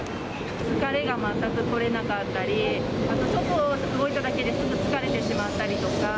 疲れが全く取れなかったり、ちょっと動いただけで、すぐ疲れてしまったりとか。